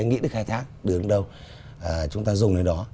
nghĩ đến khai thác đứng đâu chúng ta dùng đến đó